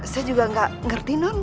saya juga nggak ngerti non